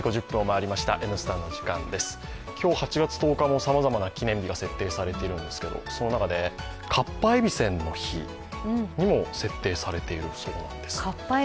今日８月１０日もさまざまな記念日が制定されているんですが、その中でかっぱえびせんの日にも設定されているそうです。